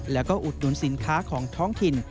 แล้วก็อุดหนุนสินค้าของท้องถิ่น